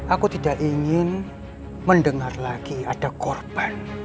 aku tidak ingin mendengar lagi ada korban